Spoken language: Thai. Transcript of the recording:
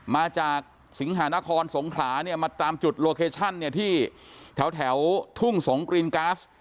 มาจากสิงหานครสงขลาเนี่ยมาตามจุดโลเคชั่นเนี่ยที่แถวทุ่งสงกรีนก๊าซ